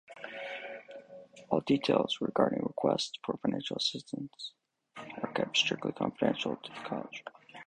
All details regarding requests for financial assistance are kept strictly confidential to the College.